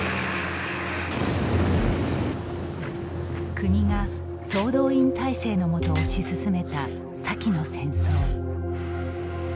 国が総動員体制のもと推し進めた先の戦争。